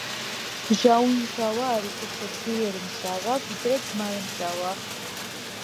მჟაუნმჟავა არის უფრო ძლიერი მჟავა ვიდრე ძმარმჟავა.